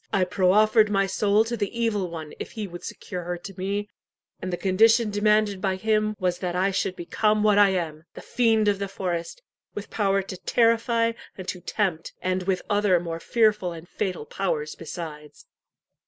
I proffered my soul to the Evil One if he would secure her to me, and the condition demanded by him was that I should become what I am the fiend of the forest, with power to terrify and to tempt, and with other more fearful and fatal powers besides."